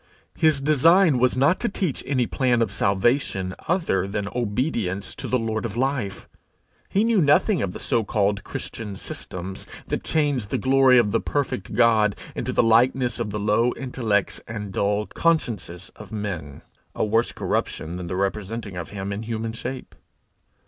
His design was not to teach any plan of salvation other than obedience to the Lord of Life. He knew nothing of the so called Christian systems that change the glory of the perfect God into the likeness of the low intellects and dull consciences of men a worse corruption than the representing of him in human shape.